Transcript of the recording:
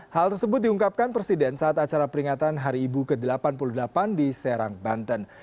hal tersebut diungkapkan presiden saat acara peringatan hari ibu ke delapan puluh delapan di serang banten